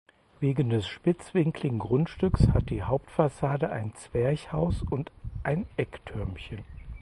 Wegen des spitzwinkligen Grundstücks hat die Hauptfassade ein Zwerchhaus und ein Ecktürmchen.